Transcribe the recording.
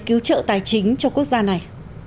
cứu trợ tài chính cho quốc gia này